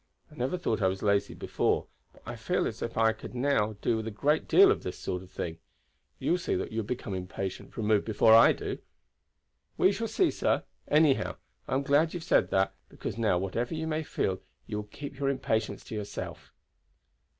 I never thought I was lazy before, but I feel as if I could do with a great deal of this sort of thing. You will see that you will become impatient for a move before I do." "We shall see, sir. Anyhow, I am glad you have said that, because now whatever you may feel you will keep your impatience to yourself."